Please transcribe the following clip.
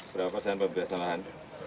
berapa persen pembebasan lahan